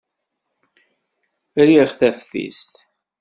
Riɣ taftist.